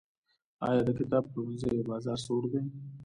آیا د کتاب پلورنځیو بازار سوړ دی؟